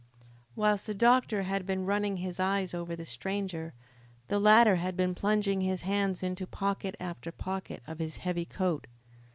Whilst the doctor had been running his eyes over the stranger, the latter had been plunging his hands into pocket after pocket of his heavy coat.